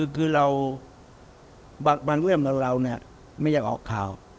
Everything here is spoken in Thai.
คือเราบากมันเรื่องเหมือนเราเนี่ยไม่อยากออกข่าว